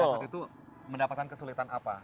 pada saat itu mendapatkan kesulitan apa